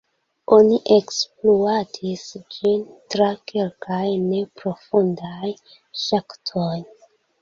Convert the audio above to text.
Oni ekspluatis ĝin tra kelkaj neprofundaj ŝaktoj.